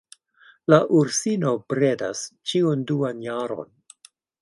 La ursino bredas ĉiun duan jaron.